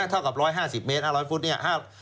เท่ากับ๑๕๐เมตร๕๐๐ฟุตเนี่ย